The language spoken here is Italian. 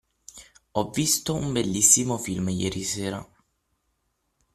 Ho visto un bellissimo film ieri sera.